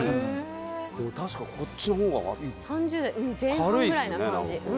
確かにこっちの方が軽いっすね